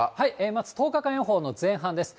まず１０日間予報の前半です。